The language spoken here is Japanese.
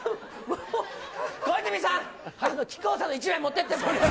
小泉さん、木久扇さんの１枚持ってって。